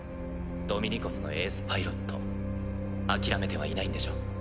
ドミニコスのエースパイロット諦めてはいないんでしょ？